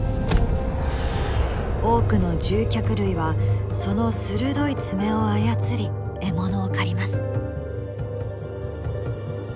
多くの獣脚類はその鋭い爪を操り獲物を狩ります。